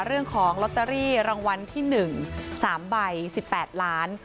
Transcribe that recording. เรื่องของลอตเตอรี่รางวัลที่๑๓ใบ๑๘ล้าน